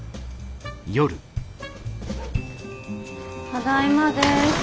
ただいまです。